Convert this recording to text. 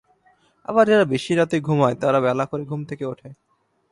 আবার যারা বেশি রাতে ঘুমায় তারা বেলা করে ঘুম থেকে ওঠে।